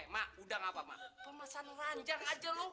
tapi kan gue pesennya bukan beginian